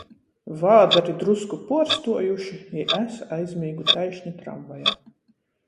Vādari drusku puorstuojuši, i es aizmīgu taišni tramvajā.